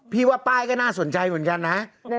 พี่ว่าป้ายก็น่าสนใจเหมือนกันนะ